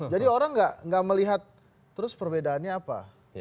jadi orang enggak melihat terus perbedaannya apa